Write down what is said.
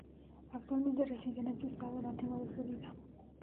Actualmente residen en su estado nativo de Florida.